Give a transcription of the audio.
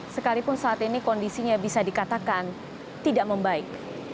sekalipun saat ini kondisinya bisa dikatakan tidak membaik